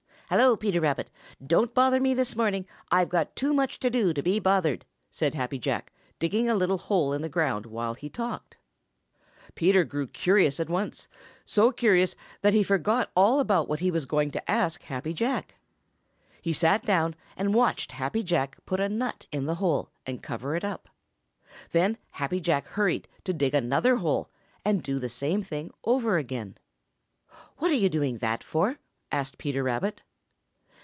"Hello, Peter Rabbit! Don't bother me this morning. I've got too much to do to be bothered," said Happy Jack, digging a little hole in the ground while he talked. Peter grew curious at once, so curious that he forgot all about what he was going to ask Happy Jack. He sat down and watched Happy Jack put a nut in the hole and cover it up. Then Happy Jack hurried to dig another hole and do the same thing over again. "What are you doing that for?" asked Peter Rabbit.